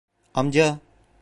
Amca!